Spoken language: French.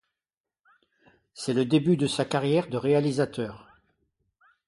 C'est le début de sa carrière de réalisateur.